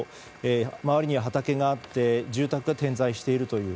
周りには畑があって住宅が点在しているという。